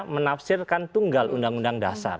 menafsirkan tunggal undang undang dasar